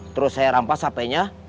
terus saya rampas hpnya